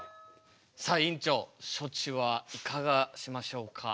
さあ院長処置はいかがしましょうか？